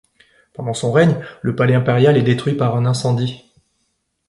Pendant son règne, le palais impérial est détruit par un incendie.